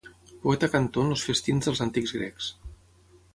Poeta cantor en els festins dels antics grecs.